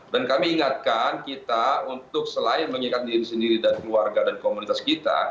dan kami ingatkan kita untuk selain mengingat diri sendiri dan keluarga dan komunitas kita